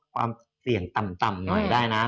ความเสี่ยงต่ำหน่อยได้นะ